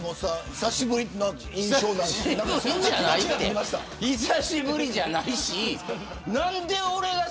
久しぶりじゃないし。